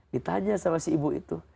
ditanya sama si ibu itu